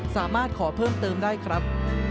สามารถขอเพิ่มเติมได้ครับ